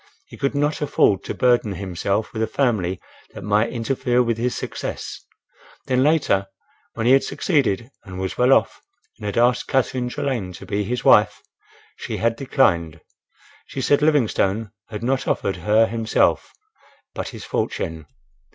He could not afford to burden himself with a family that might interfere with his success. Then later, when he had succeeded and was well off and had asked Catherine Trelane to be his wife, she had declined. She said Livingstone had not offered her himself, but his fortune.